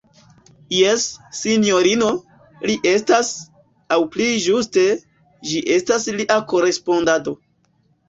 Jes, sinjorino, li estas; aŭ pli ĝuste, ĝi estas lia korespondado.